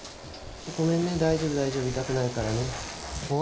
ごめんね大丈夫大丈夫痛くないからね。